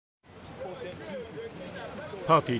パーティー